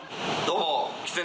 どうも。